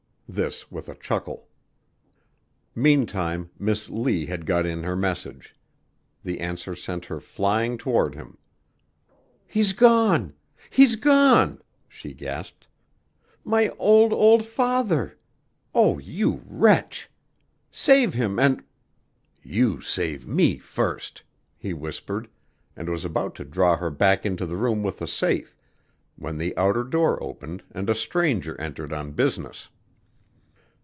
This with a chuckle. Meantime Miss Lee had got in her message. The answer sent her flying toward him. "He's gone! He's gone!" she gasped. "My old, old father! Oh, you wretch! Save him and " "You save me first," he whispered, and was about to draw her back into the room with the safe, when the outer door opened and a stranger entered on business.